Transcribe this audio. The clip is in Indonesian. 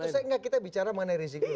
tentu saja kita bicara mengenai rizieq dulu